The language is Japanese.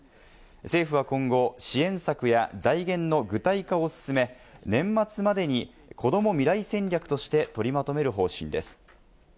政府は今後、支援策や財源の具体化を進め、年末までに子ども未来戦略として取りまとめる方針です。